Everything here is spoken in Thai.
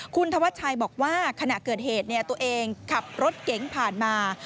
คุณธวัชชัยบอกว่าขณะเกิดเหตุตัวเองขับรถเก๋งผ่านมา